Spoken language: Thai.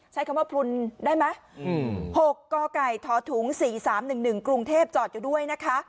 ใช้คำว่าพลุนได้ไหม๖กกทถุง๔๓๑๑กรุงเทพจอดอยู่ด้วยนะคะ